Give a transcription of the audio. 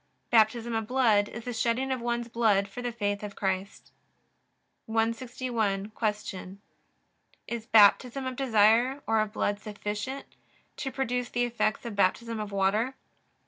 Baptism of blood is the shedding of one's blood for the faith of Christ. 161. Q. Is Baptism of desire or of blood sufficient to produce the effects of Baptism of water?